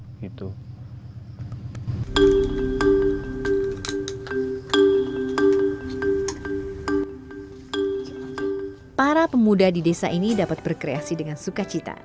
ya setelah kulit luarnya dibersihkan dan dihaluskan buah nyamplung akan dilubangi sesuai dengan kebutuhan